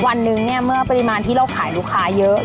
วันนึงเนี่ยเมื่อปริมาณที่เราขายลูกค้าเยอะ